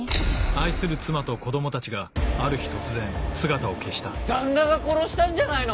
愛する妻と子供たちがある日突然姿を消した旦那が殺したんじゃないの？